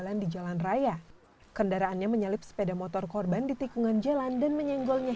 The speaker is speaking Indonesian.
jadi ditabrak sama mobil itu itu kenceng ya